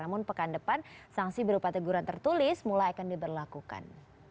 namun pekan depan sanksi berupa teguran tertulis mulai akan diberlakukan